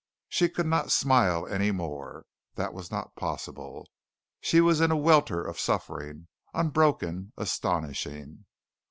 She could not smile any more. That was not possible. She was in a welter of suffering, unbroken, astonishing.